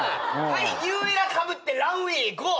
はいニューエラかぶってランウェイへゴー。